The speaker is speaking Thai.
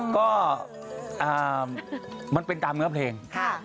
ก็มันเป็นตามเนื้อเพลง